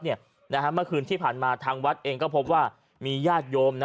เมื่อคืนที่ผ่านมาทางวัดเองก็พบว่ามีญาติโยม